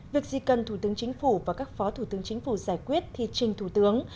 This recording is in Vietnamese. việc gì cần thủ tướng chính phủ và các phó thủ tướng chính phủ giải quyết thì trình thủ tướng